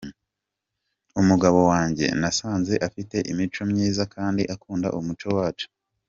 Umugabo wanjye nasanze afite imico myiza kandi akunda umuco wacu.